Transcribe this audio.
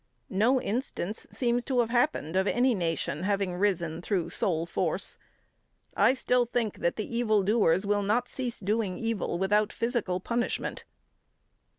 No instance seems to have happened of any nation having risen through soul force. I still think that the evil doers will not cease doing evil without physical punishment.